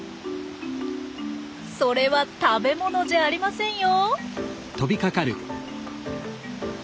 それは食べ物じゃありませんよ。